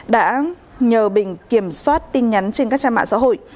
đã nhờ bình kiểm soát tin nhắn trên các trang mạng xã hội